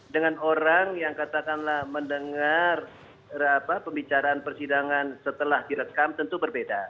dengan orang yang katakanlah mendengar pembicaraan persidangan setelah direkam tentu berbeda